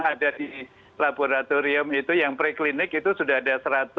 ada di laboratorium itu yang pre klinik itu sudah ada seratus